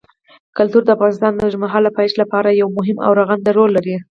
کلتور د افغانستان د اوږدمهاله پایښت لپاره یو مهم او رغنده رول لري.